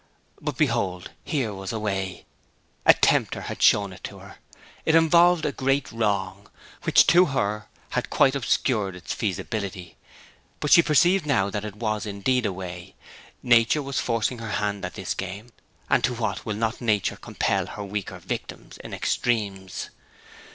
But behold, here was a way! A tempter had shown it to her. It involved a great wrong, which to her had quite obscured its feasibility. But she perceived now that it was indeed a way. Nature was forcing her hand at this game; and to what will not nature compel her weaker victims, in extremes?